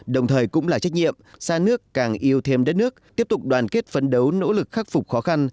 đồng thời cũng là trách nhiệm xa nước càng yêu thêm đất nước tiếp tục đoàn kết phấn đấu nỗ lực khắc phục khó khăn